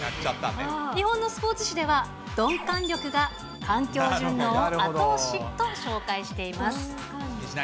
日本のスポーツ紙では、鈍感力が環境順応を後押しと紹介しています。